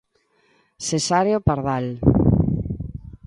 Cesáreo Pardal.